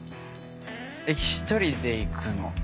えっ１人で行くの？